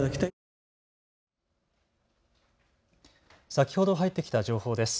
先ほど入ってきた情報です。